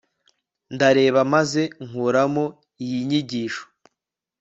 ndareba, maze nkuramo iyi nyigisho